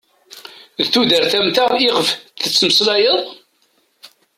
D tudert am ta iɣef d-ttmeslayeḍ?